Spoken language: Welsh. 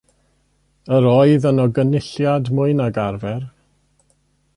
Yr oedd yno gynulliad mwy nag arfer.